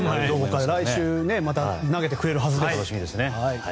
来週また投げてくれるはずです。